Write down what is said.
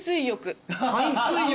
海水浴？